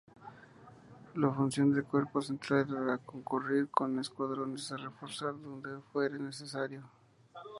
La función del cuerpo central era concurrir con Escuadrones a reforzar donde fuere necesario.